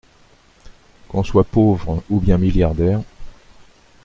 Qu’on soit pauvre ou bien milliardaire…